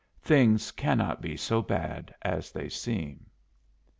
Things cannot be so bad as they seem."